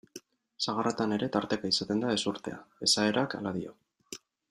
Sagarretan ere tarteka izaten da ezurtea, esaerak hala dio.